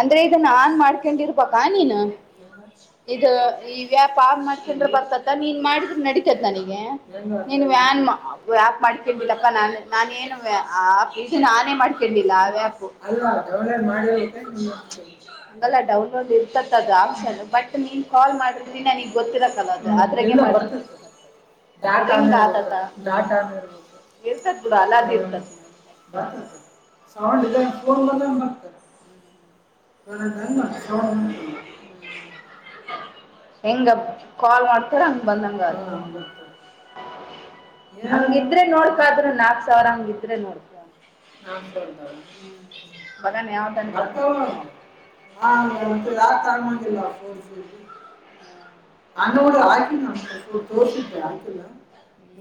ಅಂದ್ರೆ ಇದು ನಾನ್ ಮಾಡ್ಕೊಂಡಿರ್ಬ ಕ ನೀನು ಇದು ಈ ವ್ಯಾಪ ಆ ಮಾಡಕೊಂಡ್ರೆ ಬರ್ತತ್ತ ನೀನ್ ಮಾಡಿದ್ರ ನಡಿತತ್ ನನಗೆ ನೀನು ವ್ಯಾನ್ ವ್ಯಾಪ್ ಮಾಡ್ಕೊಂಡಿಲ್ಲಪ್ಪ ನಾನ ನಾನ ಏನು ನಾನೇ ಮಾಡ್ಕೊಂಡಿಲ್ಲ ಅದೇಪ್ಪು ಅಲ್ಲ ಡೌನ್ಲೋಡ್ ಮಾಡ ಹಲ್ಲ ಡೌನ್ಲೋಡ್ ಇರ್ತ ಅದ ಆನ್ ಬಟ್ ಕಾಲ್ ಮಾಡ್ರಿದಿ ನನಗ್ ಗೊತ್ತಿರಕ್ಲ್ ಅ್ರ ಡಾಟಾನ ಡ ಹಂಡಿದ್ದ ತ ಹ ಎಂಗ ಕಲ್ ಮಾಡಾರ್ತರ ಅಂಗ ಬಂದಂಗ ಹಂಗಿದ ಇದ್ರೆ ನೋಡ್ಕಾದ್ರೂ ನಾಕ್ ಸಾವಿರ ಹಂಗಿದ್ರೆ ನೋಡ್ಕ ಮಗನ್ ಯಾವ್ದನ್ ನಾವ ಅಂತೂ ಯಾರ್ ತರಮಂಗಿಲ್ಲ ಫೋರ್ ಜಿ ಹ್ಮ ಅಣ್ಣ ಕೂಡ ಹಾಕಿಲ್ಲ ಅಂತು ತೋರ್ಸಿದ್ದೆ ಹಾಕಿಲ್ಲ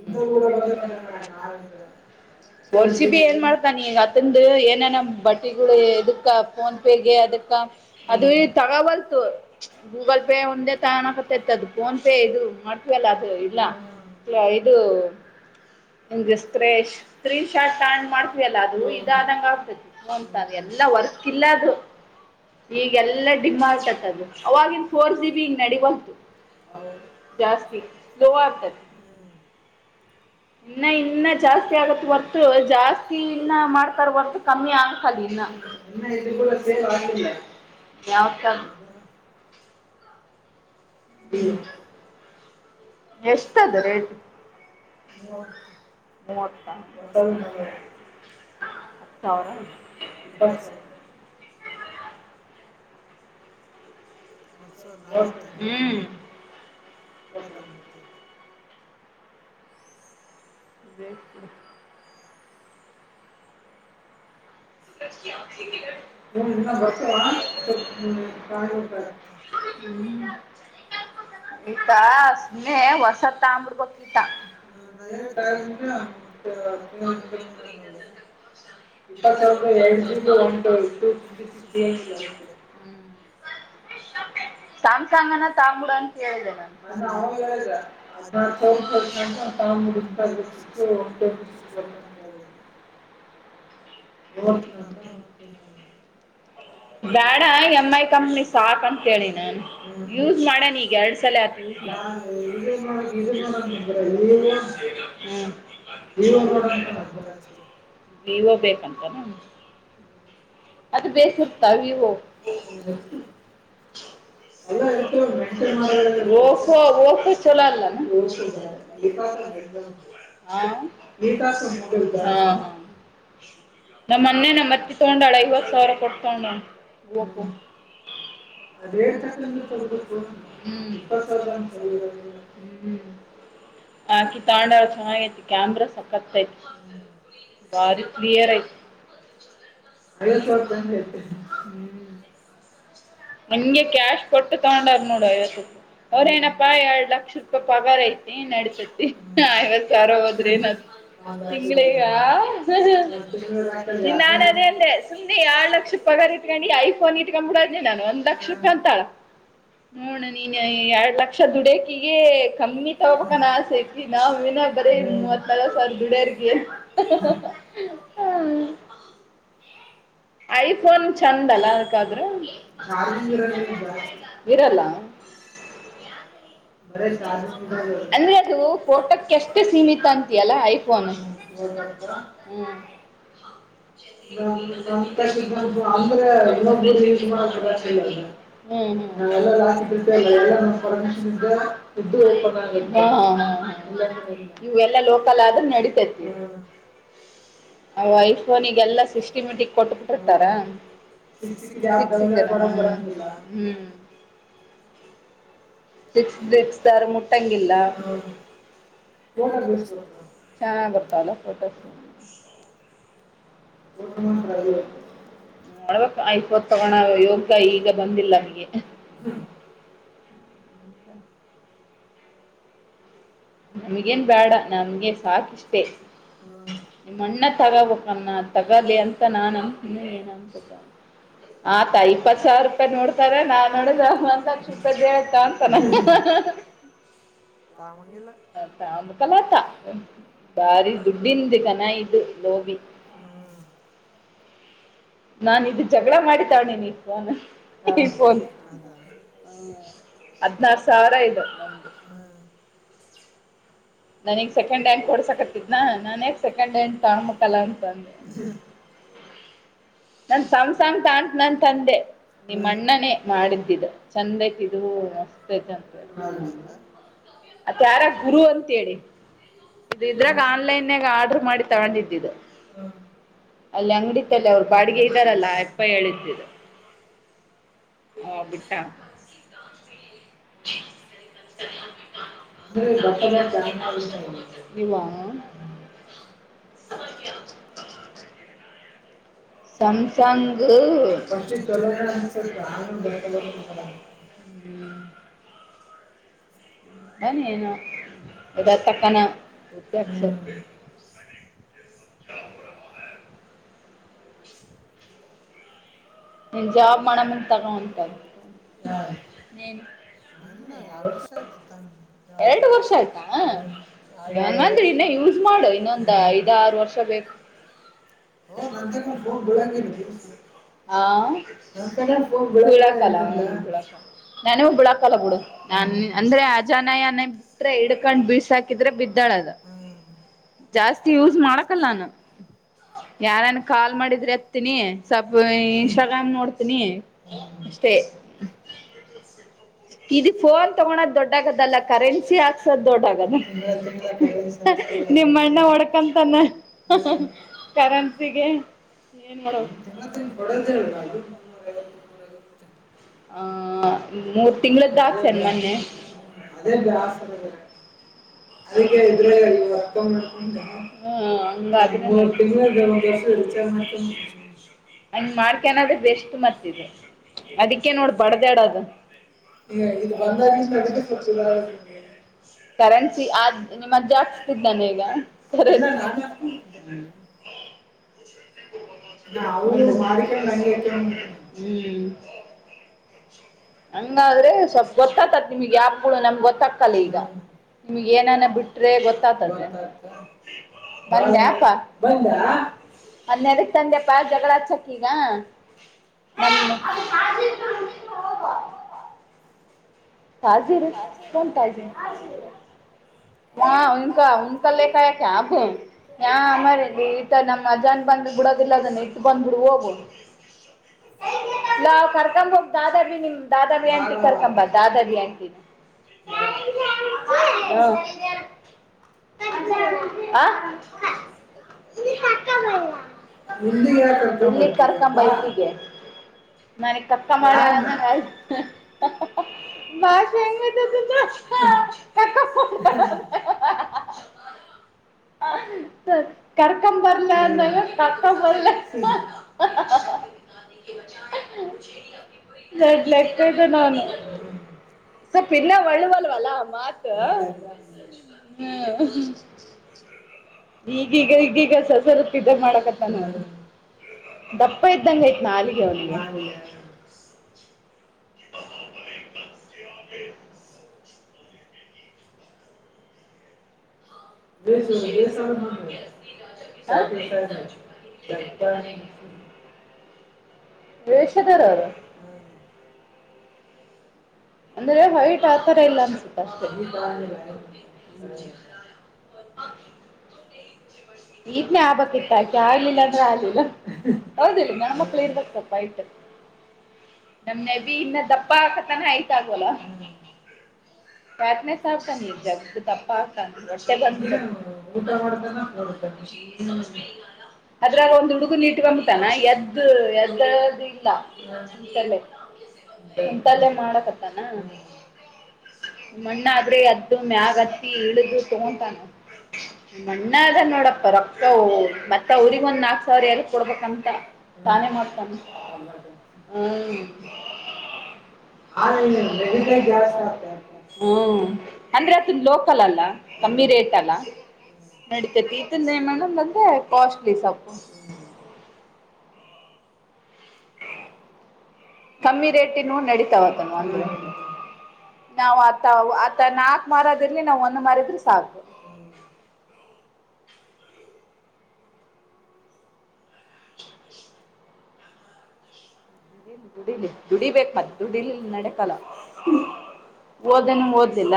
ಇಂಥದ್ದು ಕೂಡ ಬಂದತ್ ನೋಡಣ ನಾ ಇದ ಒರ್ಸಿ ಬಿ ಏನ್ ಮಾಡ್ತಾನಿ ಈಗ ಹತ್ತಂದು ಏನೇನ ಬಟ್ಟೆಗಳು ಇದಕ್ಕ ಫೋನ್ ಪೇಗೆ ಅದಕ್ಕ ಅದು ತಗೋಬತು ಗೂಗಲ್ ಪೇ ಒಂದೇ ತಾಣಕತ್ತತ್ತು ಅದು ಫೋನ್ ಪೇ ಇದು ಮಾಡ್ತವಲ್ಲ ಅದು ಇಲ್ಲ ಇಲ್ಲ ಇದು ನಿಂಗೆ ಸ್ಕ್ರ್ ಸ್ಕ್ರೀನ್ ಶಾಟ್ ಆಂಡ್ ಮಾಡ್ತವಲ್ಲಾ ಅದು ಇದ ಆದಂಗ ಆಗ್ಬೇಕೇು ಹಂತ ಎಲ್ಲ ವರ್ಕ್ ಇಲ್ಲ ಅದು ಈಗೆಲ್ಲ ಡಿಮತತದು ಅವವಾಗಿನ ಫೋರ್ ಜಿ ಬಿ ಹಿಂಗ ನಡಬಂತು ಹೌದು ಹ್ಮ್ ಇನ್ನ ಇನ್ನ ಜಾಸ್ತಿ ಆಗತ್ ಹೊರ್ತು ಜಾಸ್ತಿ ಇನ್ನ ಮಾಡ್ತಾರ ಹೊರ್ತು ಕಮ್ಮಿ ಆಗತಲ್ಲ ಇನ್ನ ನ್ನ ಇಲ ಸೇಲ್ ಮಾಡಿಲ್ಲ ಯಾವ ಹ ನೀವ ಎಷ್ಟ ಅದ ರೇಟ್ ಮೂವ ೌ ಚ ಅವರ ಮತ್ತು ನಲವತ್ತಜಲ್ಲಿ ಇತ್ತೊಂಬತ್ತ ಬ ಆ ಹ್ಮ ಬರ್ತ್ಮ ಆಯ್ತಾ ಸುಮ್ಮನೆ ಹೊಸತ್ತ ಅಂಬ್ರಗತ್ತ ನಾ ಹೇಳಿ ತಗಿಂದ ಮ ಹಂದ ಮುಂದೆ ನೋಡಿದ್ದ ಅತ್ತ ಟಟ್ಟ ಸ್ಯಾಮ್ಸಾಂಗ್ ಅನ ತಾಂಬುಡ ಅಂತ ಹೇಳಿದೆ ಹ್ ಮುಡಿಂತ ಅದು ಸಿಕ್ಸ್ ಒನ್ ಟ್ವೆಂಟಿ ಸಿಕ್ಸ್ ಬರ್ಕ್ ಅಂತ ಹೇಳಿದೆ [inaudible] ನೋಡತನಂತ ಹೊತ್ತೇ ನ ಬೇಡ ಎಮ್ ಐ ಕಂಪ್ನಿ ಸಾಕ ಅಂತೇಳಿ ನಾನ್ ಯೂಸ್ ಮಾಡೇನ್ ಈಗ ಎರಡ್ ಸಲ ಆತ ಇ ಹ್ಮ ವಿವ ವಿವೋ ಬೇಕಂತಾರ ಅದು ಬೇಸತ ವಿವೋ ಪೋ ಚಲೋ ಅಲ್ಲ ಹಾ ನೀತಾ ನಮ್ಮೊನ್ನೇ ನ ಮತ್ತಿ ತಗೊಂಡಾಳ ಐವತ್ ಸಾವಿರ ಕೊಟ್ಟ ತಗೊಂಡ ಹಕ್ಕು ಅದ ಎ ಸಕಂದ ತ ಹ್ಮ್ ಇಪ್ಪತ್ ಸಾವಿರದ ಹ್ಮ್ ಹ ಆಕಿ ತಾಂಡಗ ಚೆನ್ನಾಗ ಐತಿ ಕ್ಯಾಮ್ರಾ ಸಖತ್ ಐತಿ ಬಾರಿ ಕ್ಲಿಯರ್ ಐತಿ. [unintelligible] ಐವತ್ತು ಸಾವರ ರೂಪಾಯಾನ ಕತ. ಹಂಗೆ ಕ್ಯಾಶ್ ಕೊಟ್ಟು ತಗೊಂಡಾರ ನೋಡು ಐವತ್ತು. ಅವ್ರೇನಪ್ಪಾ ಎರಡ್ ಲಕ್ಷ ರೂಪ ಪಗಾರ ಐತಿ ನಡಸತಿವತ್ತು ಸಾರ ಹೋದ್ರಿ ನ ತಿಂಗಳಿಗಾ ಹ ನಿನ್ ನಾನು ಅದೇ ಅಂದೆ ಸುಂದಿ ಯರಳ್ ಲಕ್ಷ ಪಗಾರ ಇಟ್ಕೊಂಡು ಐಫೋನ್ ಇಟ್ಕೊಂಡ್ಬ ಬಿಡದ್ನೆ ನಾನು ಒಂದ ಲಕ್ಷ ಲಕ್ಷ ರೂಪಾಯಿ ಅಂತಾಳ ನೋಡ ನೀ ಎರಡ್ ಲಕ್ಷ ದುಡಕಿಗೆ ಕಮ್ಮಿ ತಗೋಬೇಕ ಆಸೆ ಐತಿ ನಾವ್ ನಾಗ ಬರ ಲ್ಲ ಸರ್ ಬಿಡರ್ಕ್ಕ. ಐಫೋನ್ ಚಂದ ಅಲ್ಲ ಅದಕಾದ್ರೆ ಇರಲ್ಲ. [unintelligible] ಅಂದ್ರೆ ಅದು ಫೋಟೋಕ್ಕೆಷ್ಟೇ ಸೀಮಿತ ಅಂತಿಯಲ್ಲ ಐಫೋನ್. ಹ್ಮ ಹ್ಮ್ [unintelligible] ಹ ಇ ಎಲ್ಲಾ ಲೋಕಲ್ ಆದ್ರೂ ನಡಿತತಿ. ಅವ ಐಫೋನ್ಗೆಲ್ಲಾ ಸಿಸ್ಟಮೆಟಿಕ್ ಕೊಟ್ಟಬ [unintelligible] ಹ್ಮ್ [inaudible] ಸಿಕ್ಸ್ಕ್ಸ್ರ ಮುಟ್ಟಂಗಿಲ್ಲ. ಫೋಟೋ ಚೆನ್ನಾಗ ಬರ್ತಲ್ಲ ಫೋಟೋ. ಬರ್ತಮಾನ ರಾಜೆ ನೋಡ್ಬೇಕ ಯ್ತ್ವತ್ ತಗೋಣ ಯೋಗ ಈಗ ಬಂದಿಲ್ಲ ನಮಗೆ. [inaudible] ನಮಗೇನ್ ಬೇಡ ನಮ್ಗೆ ಸಾಕ ಇಷ್ಟೇ ನಿಮ್ಮ ಅಣ್ಣ ತಗೋಬೇಕನ್ನ ತಗಲಿ ಅಂತ ನಾನ್ ಆತಾ ಇಪ್ಪತ್ ಸಾವಿರ ರೂಪಾಯಿ ನೋಡ್ತಾರೆ ನಾನ್ ನೋಡಿದ್ರ ಒಂದ್ ಲಕ್ಷ ರೂಪಾಯಿ ಬತ [unintelligible] ತಮಕಲಾತ ಬಾರಿ ದುಡ್ಡಿಂದು ಕನಾಯು ಲೋಬಿ [inaudible] ನಾ ಇ ಜಗಳ ಮಾಡ ತಾಂಡ್ವಿನಿ ಐಫೋನ್. ಹದಿನಾಲ್ಕು ಸಾವಿರ ಇದು. ನನಗ್ ಸೆಕೆಂಡ್ ಹ್ಯಾಂಡ್ ಕೊಡ್ಸಕತ್ತತ್ನಾ ನಾನೇಗ್ ಸೆಕೆಂಡ್ ಹ್ಯಾಂಡ್ ತಾಂಬಕಲ್ಲ ಅಂತ ಅಂದೆ [inaudible] ನನ್ ಸಮ್ಸ್ ಸಾಂಗ್ ತಟ್ ನಂದೇ. ನಿಮ್ಮ ಅಣ್ಣನೇ ಮಾಡಿದ್ದಿದ್ದ ಚಂದ ಐತಿದು [unintelligible] ಮತ್ತ ಯಾರ ಗುರು ಅಂತೇಳಿ. ಇದ ಇದ್ರಾಗ ಆನ್ಲೈನ್ ಗ ಆರ್ಡ್ರ ಮಾಡಿ ತಗೊಂಡಿದ್ದಿದ್. ಅಲ್ಲಿ ಅಂಗಡಿತಲ್ಲ ಅವ್ರು ಬಾಡಿಗೆ ಇದ್ದಾರಲ್ಲಾ ಎಪ್ಪ ಹೇಳತಿದ್ದ. ಹ ಬಿಟ್ಟಾಕ್ [unintelligible] ಅಂದ್ರೆ ಬಿರ್ಥಡೇ ಅಂತ ನೀವಾ. [inaudible] ಸಮಸಂಗ್ [inaudible] ಅ ನೀನು ಇಟತಕ್ಕನ ಹತ್ಯಂಡ ನೀನ್ ಜಾಬ್ ಮಾಡಮುಂದ ತಗೋಂತೇಳು. ಹಾ ಇಲ್ಲ ಎರಡ ವರ್ಷ ಆಯ್ತು ತೊಗೊಂಡ. ಎರಡು ವರ್ಷ ಆಯ್ತಾ ಅಂದ್ರ ಇನ್ನ ಯೂಸ್ ಮಾಡು ಇನ್ನೊಂದ ಐದ್ ಆರು ವರ್ಷ ಬೇಕು ಓ ನಂತಾಕ ಫೋನ್ ಬೀಳಂಗಿಲ್ಲ ಬೇಸ ಹ ನಾನೇ ಒಬ್ಬಳಾಕಲ್ಲ ಬಿಡು ನನ್ ಅಂದ್ರೆ ಅಜಾನಯನೇ ಬಿಟ್ರೆ ಹಿಡ್ಕೊಂಡಂಡ್ ಬೀಳ್ಸಾಕಿದ್ರೆ ಬಿದ್ದಾಳದ ಜಾಸ್ತಿ ಯೂಸ್ ಮಾಡಕಲ್ಲಾನು ಯಾರನ್ ಕಾಲ್ ಮಾಡಿದ್ರೆ ಎತ್ತತೀನಿ ಸ್ವಲ್ಪ ಇನ್ಸ್ಟಾಗ್ರಾಮ್ ನೋಡ್ತನಿ ಅಷ್ಟ ಇದು ಫೋನ್ ತಗಳದು ದೊಡ್ಡ ದೊಡ್ಡಾಗದಲ್ಲ ಕರೆನ್ಸಿ ಹಾಕ್ಸದ ದೊಡ್ಡಾಗದ ನಿಮ್ಮಣ್ಣ ಹೊಡ್ಕಂತಾನ ಕರೆನ್ಸಿಗೆ ಏನ್ ಮಾಡದು ಆ ಮೂರು ತಿಂಗಳುದ್ದ ಆಕ್ಸೆನ್ ಮನ್ನೆ ಹ ಅದೇ ಬೇಸರ ಅದ್ರಗ ಅದಕ್ಕೆ ಇದ್ರೆ ನಿಮ್ಮ ಹಾ ಹ ಹಂಗ ಹಂಗ ಮಾಡ್ಕನದ ಬೆಸ್ಟ್ ಮತ್ತ ಇದೆ ಅದಕ್ಕೇ ನೋಡು ಬಡ್ದ್ಯಾಡದ್ದು ಅದುಹ್ಮು ಇಲ್ಲಿ ಬಂದಾಗಿಂದ ಸಂಪ್ರದಾಯನ ಕರೆನ್ಸಿ ಆದ್ ನಿಮ್ಮಜ್ಜ ಹಾಕ್ಸಿತಿದ್ನಾನ ಈಗ ಕರೆನ್ಸಿ ಹ ಷೆ ಇಲ್ಲ ಅವರು ಹಂಗೆ ಇಟಗೊಂಡ ಹ್ಮ್ ಹಂಗಾದ್ರೆ ಸ್ವಲ್ಪ ಗೊತ್ತಾತ್ ನಿಮಗ್ ಯಾ ಳ ನಮ್ಗ್ ಗೊತ್ತಾಗಕ್ಕಲ್ಲ ಈಗ ನಿಮ್ಗ್ ಏನಾನ ಬಿಟ್ರೆ ಗೊತ್ತಾತದೆ ಬಂದ್ಯಾಪಾ ಬಂದೆ ಅದನೆದಕ ತಂದೆಪ್ಪಾ ಜಗಳ ಅಚ್ಚಕ್ಕಿಗ [inaudible] ಹಾಜಿರು ಕನ್ ತಾಜಿ ಹಾ ಕ ಹಕ ಲೇಕ ಆಯ ಕಬ ಹಾ ಮಾರಲ್ಲಿ ಈತ ನಮ್ಮ್ ಅಜಾನ್ ಬಂದ್ ಬಿಡೋದಿಲ್ಲ ಅದನ್ನ ಇಟ್ ಬಂದ್ಬಿಡ್ ಹೋಗ ನಾನ ಕರ್ಕೊ ಹೋಗ ದಾದ್ರಿ ನಿಮ ದಾದ್ರಿ ಅಂತ ಕರ್ಕೊ ಬದವಿ ಹ ಹಾ ಕರ್ಕ ಬೈಕಿಗೆ ನನಗ ಕಕ್ಕ ಮಾಡನೆ ಭಾಷೆ ಎಂಗಐತಿ ಅತಂದು ಹ ಕರ್ಕ ಬರಲಂದ ತಕ್ಕ ಬರಲ ಎಡ್ಲೆತ ಇ್ದ ನು ಸ್ವಲ್ಪ್ ಇನ್ನ ವಳುವಳುವಲ್ಲತ್ ಹ್ಮ್ ಈಗೀಗ ಈಗೀಗ ಸ್ವಲ್ಪ ಸ್ವಲ್ಪ ಇದು ಮಾಡಕತ್ತ ನದು ದಪ್ಪ ಇದ್ದಂಗ ಐತ್ ನಾಲಿಗೆ ಅವ್ನಿಗೆ ಅ [unintelligible] ದಸ ದಸ ಸಾಕಪ್ಪ [unintelligible] ಬೇಷಧರರ ಅಂದ್ರೆ ಹಯಿಟ್ ಆತರ ಇಲ್ಲ ಅನ್ಸುತ್ತ ಅಷ್ಟೆ [inaudible] ಹ [unintelligible] ಈದನೇ ಆಬಕ್ ಇತ್ತು ಆಕೆ ಆಗ್ಲಿಲ್ಲ ಅಂದ್ರೆ ಆಗ್ಲಿಲ್ಲ ಹೌದಿಲ್ಲ ಗಣ ಮಕ್ಳು ಇರ್ಬೇಕ ಸ್ವಲ್ಪ ಇತ ನಮ್ನೆ ಬಿ ಇನ್ನ ದಪ್ಪ ಆಾಕ ಗೋಲ [inaudible] ಪ್ರಾತ್ನೆ ಸಾತಾನೆ ಜತ್ತು ತಪ್ಪ ಆಗ್ತಾನಊ ಅದ್ರಾಗ ಒಂದು ಹುಡುಗುನ ಇಟ್ಕ [unintelligible] ಎದ್ದು ಎದ್ದ್ದಲ್ಲಂತಲ್ಲೇ ಎಂತಲ್ಲೇ ಮಾಡಕತ್ತಾನ ಮಣ ಆದ್ರೆ ಅದ್ದ ಮ್ಯಾಗ್ ಹತ್ತಿ ಇಳಿದು ತಗೊತಾನ ಮಣ್ಣ ಅದ ನೋಡಪ್ಪ ರೊಕ್ಕತ ಮತ್ತ ಅವ್ರಗ ಒಂದ್ ನಾಕ್ ಸಾವಿರ ಎಲ್ ಕೊಡ್ಬೇಕಂತ ತಾನೇ ಮಾಡ್ತಾನ ಹ್ಮ್ ಹ್ಮ ಅಂದ್ರೆ ಅದ ಲೋಕಲ್ ಅಲ್ಲ ರತಲ್ಲ [unintelligible] ನಡತೀ ತಿಂದ ಮೇ ಬಂದ ಕಾಸ್ಟ್ಲಿ ಸಪ [unintelligible] ಕಮ್ಮಿ ರೇಟಿನ ನಡೀತಾವತ ಅಂದ್ರೆ ನಾವು ಆತ ಆತ ನಾಕು ಮಾರದಿರ್ಲಿ ನಾವ್ ಒಂದ್ ಮಾರಿದ್ರೆ ಸಾಕು ಹ [inaudible] ದುಡಿ ದುಡಿಲಿ ದುಡಿಬೇಕ ಮತ್ತೆ ದುಡಿಲಿಲ್ಲ ನಡಕಲ್ಲ ಓದನ ಓದ್ಲಿಲ್ಲ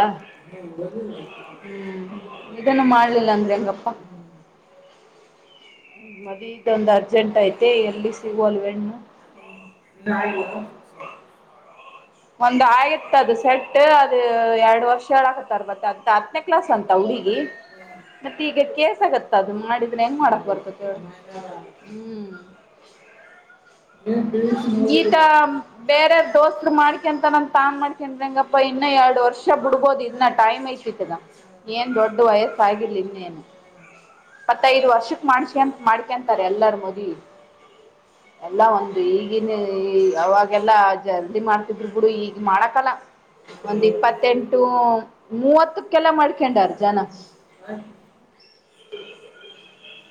ಹ್ಮ್ [inaudible] ಇದನ್ನು ಮಾಡ್ಲಿಲ್ಲ ಅಂಗ ಹೆಂಗಪ್ಪ ಪ್ಪ [unintelligible] ಹ್ಮ ಮದುವೆ ಇದೊಂದ್ ಅರ್ಜೆಂಟ್ ಐತೆ ಎರ್ಲ್ಲಿ ಸಿಗೋಲ್ವೆಣ್ಣು ಇನ್ನ ಆಗಿಲ್ಲ ಒಂದ್ ಆಯ್ತ್ ಅದು ಸೆಟ್ ಅದು ಎರಡ್ ವರ್ಷ ಹೇಳಾಕತ್ತರ್ಬತ್ತತ್ ಅಂತ ಹತ್ನೇ ಕ್ಲಾಸ್ ಅಂತ ಬಿಗೆ ಮತ್ತೆ ಈಗ ಕೇಸ ಆಗತ್ತ ಅದು ಮಾಡಿದ್ರೆ ಹೆಂಗ್ ಮಾಡಕ್ ಬರ್ತ ಹ್ಮ್ [inaudible] ಈತ ಬೇರೆ ದೋಸ್ರು ಮಾಡ್ಕಂತ ನನ್ ತಾನ್ಮಾಡ್ಕೊಂಡಂಗಪ್ಪಾ ಇನ್ನ ಎರಡು ವರ್ಷ ಬಿಡ್ಬೋದು ಇದನ್ನ ಟೈಮ್ ಐ್ತತದ ಏನ್ ದೊಡ್ಡ ವಯಸ್ಸಾಗಿಲಿ ಇನ್ನೇನು ಪತ್ತೈದು ವರ್ಷಕ್ ಮಾಡ್ಕನ್ ಮಾಡ್ಕಂತಾರೆ ಎಲ್ಲಾರ ಮದುವೆ ಎಲ್ಲಾ ಒಂದು ಈಗನ್ ಈ ಅವಾಗೆಲ್ಲಾ ಜಲ್ದಿ ಮಾಡ್ತಿದ್ರು ಬಿಡು ಈಗ ಮಾಡಕಲ್ಲ ಒಂದ್ ಇಪ್ಪತ್ತೆಂಟು ಮೂವತ್ತಕ್ಕೆಲ್ಲ ಮಾಡ್ಕೊಂಡಾರ ಜನ ಆ್ತ [inaudible] ಹ [inaudible]